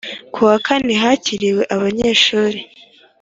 Ku wakane hakiriwe abanyeshuri